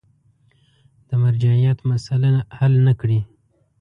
د مرجعیت مسأله حل نه کړي.